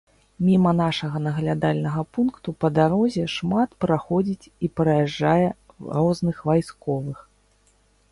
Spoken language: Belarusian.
Міма нашага наглядальнага пункту па дарозе шмат праходзіць і праязджае розных вайсковых.